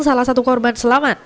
salah satu korban selamat